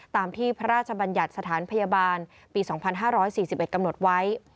ตามที่พระราชบัญญัติสถานพยาบาลปี๒๕๔๑กำหนดไว้